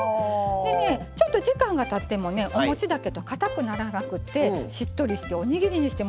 ちょっと時間がたってもおもちだけどかたくならなくてしっとりしておにぎりにしてもすごくおいしいんですよ。